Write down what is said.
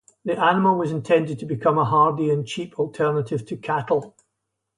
The animal was intended to become a hardy and cheap alternative to cattle.